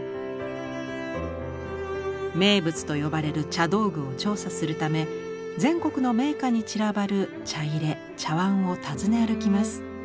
名物と呼ばれる茶道具を調査するため全国の名家に散らばる茶入茶碗を訪ね歩きます。